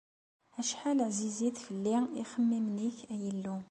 Acḥal ɛzizit fell-i ixemmimen-ik, ay Illu.